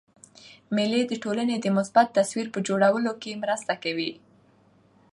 مېلې د ټولني د مثبت تصویر په جوړولو کښي مرسته کوي.